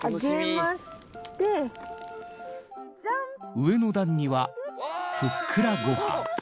上の段にはふっくらご飯。